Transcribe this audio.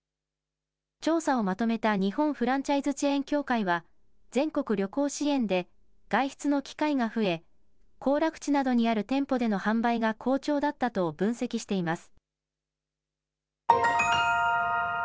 調査をまとめた日本フランチャイズチェーン協会は、全国旅行支援で、外出の機会が増え、行楽地などにある店舗での販売が好調だったと分析しています。